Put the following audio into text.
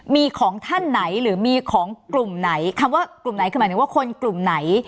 มีของท่านไหนหรือมีของกลุ่มไหนคำว่ากลุ่มไหนคือหมายถึงว่าคนกลุ่มไหน